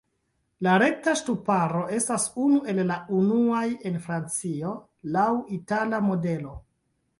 La rekta ŝtuparo estas unu el la unuaj en Francio, laŭ itala modelo.